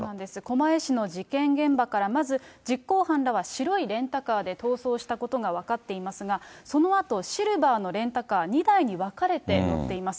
狛江市の事件現場から、まず実行犯らは白いレンタカーで逃走したことが分かっていますが、そのあと、シルバーのレンタカー２台に分かれて乗っています。